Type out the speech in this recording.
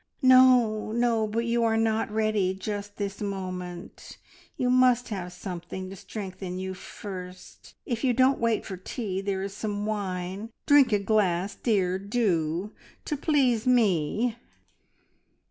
"No, no, but you are not ready just this moment. You must have something to strengthen you first. If you won't wait for tea, here is some wine. Drink a glass, dear, do. To please me!"